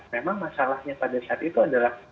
memang masalahnya pada saat itu adalah